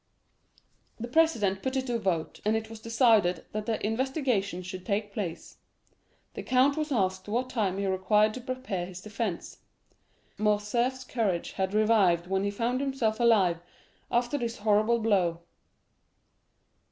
The president put it to the vote, and it was decided that the investigation should take place. The count was asked what time he required to prepare his defence. Morcerf's courage had revived when he found himself alive after this horrible blow.